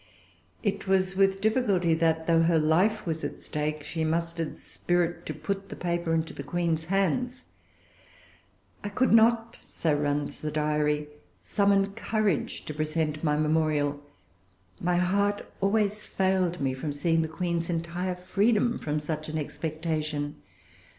It was with difficulty that, though her life was at stake, she mustered spirit to put the paper into the Queen's hands. "I could not," so runs the Diary, "summon courage to present my memorial; my heart always failed me from seeing the Queen's entire freedom from such an expectation.